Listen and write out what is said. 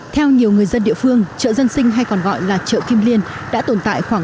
theo nhiều người dân địa phương chợ dân sinh hay còn gọi là chợ kim liên đã tồn tại khoảng